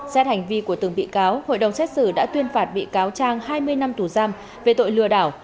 xét hành vi của từng bị cáo hội đồng xét xử đã tuyên phạt bị cáo trang hai mươi năm tù giam về tội lừa đảo